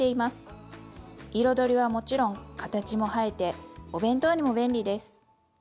彩りはもちろん形も映えてお弁当にも便利です！